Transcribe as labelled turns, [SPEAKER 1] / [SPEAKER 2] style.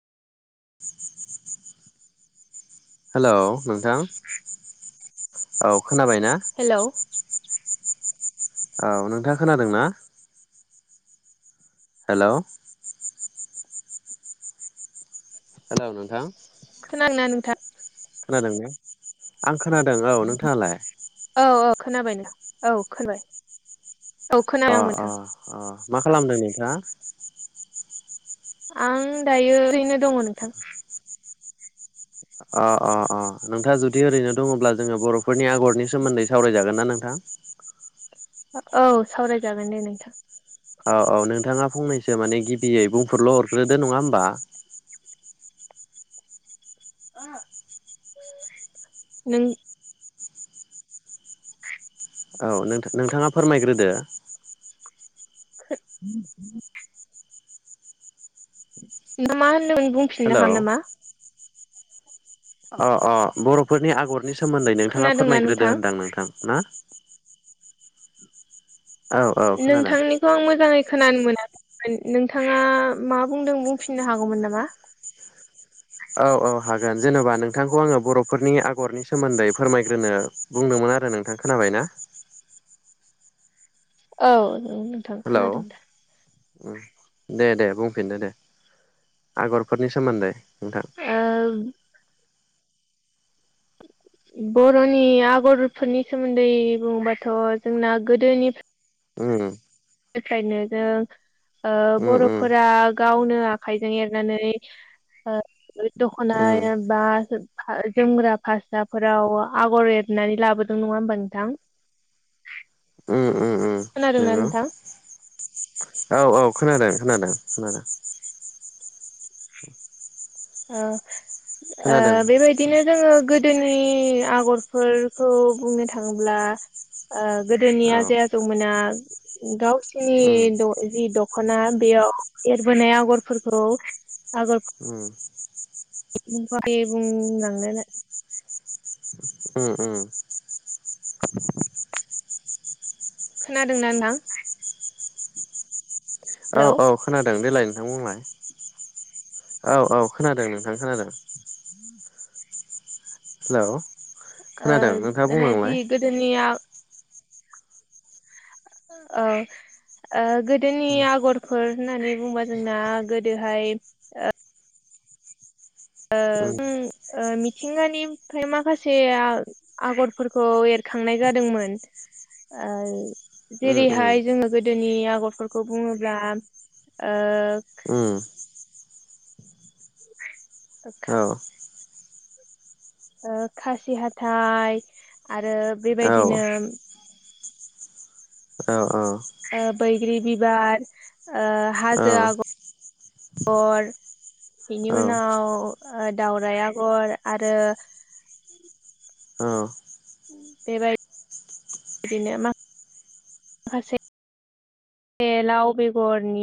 [SPEAKER 1] [inaudible]
[SPEAKER 2] Hello नोंथां औ खोनाबाय ना?
[SPEAKER 1] हेलौ
[SPEAKER 2] औ नोंथाङा खोनादों ना? हेलौ हेलौ नोंथां।
[SPEAKER 1] खोनादो ना नोंथां?
[SPEAKER 2] खोनादोंना? आं खोनादों औ नोंथाङालाय?
[SPEAKER 1] औ ओ खोनाबायना औ खोनाबाय औ खोनाबाय
[SPEAKER 2] अ
[SPEAKER 1] आं
[SPEAKER 2] अ
[SPEAKER 1] नोंथां
[SPEAKER 2] अ मा खालामदों नोंथाङा?
[SPEAKER 1] आं दायो ओरैनो दङ नोंथां।
[SPEAKER 2] अ अ अ नोंथाङा जुदि ओरैनो दङब्ला जोङो बर'फोरनि आगरनि सोमोन्दै सावरायजागोन ना नोंथा
[SPEAKER 1] औ सावरायजागोन दे नोंथां।
[SPEAKER 2] औ औ नोंथाङा फंनैसो माने गिबियै बुंफोरलु हरग्रोदो नङा होमबा
[SPEAKER 1] नों।
[SPEAKER 2] औ नोंथा नोंथाङा फोरमायग्रोदो
[SPEAKER 1] [unintelligible] नों मा होनदोंमोन बुंफिननो
[SPEAKER 2] हेलौ
[SPEAKER 1] हागोन नामा?
[SPEAKER 2] अ अ बर'फोरनि आगरनि सोमोन्दै नोंथाङा
[SPEAKER 1] खोनादोंना
[SPEAKER 2] फोरमायग्रोदो
[SPEAKER 1] नोंथां
[SPEAKER 2] होनदां नोंथां ना। औ औ खोनादों
[SPEAKER 1] नोंथांनि खौ आं मोजाङै खोनानो मोनाखैमोन नोंथाङा मा बुंदों बुंफिननो हागौमोन नामा
[SPEAKER 2] औ औ हागोन जेनेबा नोंथांखौ आङो बर'फोरनि आगरनि सोमोन्दै फोरमायग्रोनो बुंदोंमोन आरो नोंथां खोनाबाय ना?
[SPEAKER 1] औ। [inaudible]
[SPEAKER 2] हेलौ।
[SPEAKER 1] दा।
[SPEAKER 2] ओम दे दे बुंफिनदो दे आगरफोरनि सोमोन्दै नोंथां
[SPEAKER 1] ओ बर'नि आगरफोरनि सोमोन्दै बुङोबाथ' जोंना गोदोनिफ
[SPEAKER 2] ओम
[SPEAKER 1] फ्रायनो जों ओ
[SPEAKER 2] उम उम
[SPEAKER 1] बर'फोरा गावनो आखाइजों एरनानै ओ दख'नाया
[SPEAKER 2] उम
[SPEAKER 1] बा जोमग्रा फास्राफोराव आगर एर नानै लाबोदों नङा होमबा नोंथां
[SPEAKER 2] ओम ओम ओम
[SPEAKER 1] खोनादोंना नोंथां?
[SPEAKER 2] औ औ खोनादों खोनादों खोनादों।
[SPEAKER 1] ओ ओ
[SPEAKER 2] खोनादों औ
[SPEAKER 1] बेबायदिनो जोङो गोद दोनि आगरफोरखौ बुंनो थाङोब्ला ओ गोदोनिया आजै आ जौमोना गावसिनि
[SPEAKER 2] उम
[SPEAKER 1] द' जि दख'ना बेयाव एरबोनाय आगरफोरखौ आगर
[SPEAKER 2] ओम।
[SPEAKER 1] [unintelligible] बुंलांनायलाय।
[SPEAKER 2] ओम ओम
[SPEAKER 1] खोनादोंना नोंथां?
[SPEAKER 2] औ
[SPEAKER 1] हेलौ
[SPEAKER 2] औ। खोनादों देलाय नोंथां बुंलाय औ औ खोनादों नोंथां खोनादों।
[SPEAKER 1] ओम
[SPEAKER 2] हेलौ खोनादों नोंथाङा बुंलांलाय
[SPEAKER 1] गोदोनिया औ ओ गोदोनि
[SPEAKER 2] उम
[SPEAKER 1] आगर फोर होननानै बुंबा जोंना गोदोहाय ओ
[SPEAKER 2] उम
[SPEAKER 1] [unintelligible] ओ मिथिंगानिफ्राय माखासे आ आगरफोरखौ एरखांनाय जादोंमोन ओ
[SPEAKER 2] उम उम
[SPEAKER 1] जेरैहाय जोङो गोदोनि आगरफोरखौ बुङोब्ला ओ
[SPEAKER 2] ओम।
[SPEAKER 1] ओ
[SPEAKER 2] औ
[SPEAKER 1] ओ खासि हाथाइ आरो
[SPEAKER 2] औ
[SPEAKER 1] बेबायदिनो
[SPEAKER 2] औ औ।
[SPEAKER 1] ओ बैग्रि बिबार ओ
[SPEAKER 2] औ
[SPEAKER 1] हाजो आग गर बेनि
[SPEAKER 2] औ
[SPEAKER 1] उनाव ओ दावराइ आगर आरो।
[SPEAKER 2] औ।
[SPEAKER 1] बेबाय दिनो माखासे। बे लाव बेगरनि।